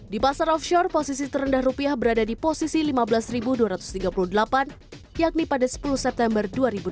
di pasar offshore posisi terendah rupiah berada di posisi lima belas dua ratus tiga puluh delapan yakni pada sepuluh september dua ribu delapan belas